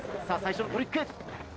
さあ、最初のトリック。